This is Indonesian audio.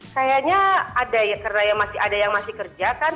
kayaknya ada ya karena masih ada yang masih kerja kan